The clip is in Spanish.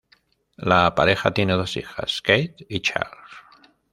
La pareja tiene dos hijas, Kate y Charles.